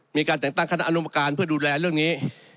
มีการแต่งตั้งคณะอนุมการเพื่อดูแลเรื่องนี้